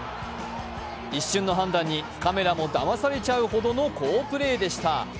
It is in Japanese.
一瞬の判断にカメラもだまされちゃうほどの好プレーでした。